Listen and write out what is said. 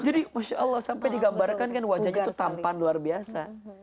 jadi masya allah sampai digambarkan kan wajahnya itu tampan luar biasa